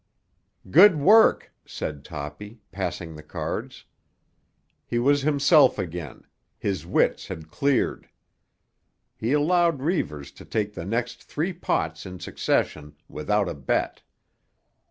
"Good work!" said Toppy, passing the cards. He was himself again; his wits had cleared. He allowed Reivers to take the next three pots in succession without a bet.